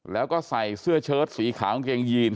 แล้วก็ใส่เสื้อเชิดสีขาวกางเกงยีน